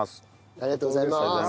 ありがとうございます。